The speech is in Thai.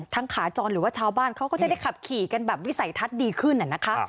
ขาจรหรือว่าชาวบ้านเขาก็จะได้ขับขี่กันแบบวิสัยทัศน์ดีขึ้นนะคะ